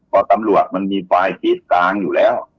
กรอบตำรวจมีไฟล์ชีวิตกลางอยู่แล้ว